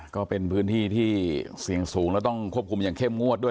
ก็เป็นพื้นที่ที่เสี่ยงสูงแล้วต้องควบคุมอย่างเข้มงวดด้วย